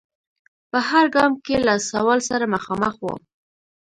په هر ګام کې له سوال سره مخامخ و.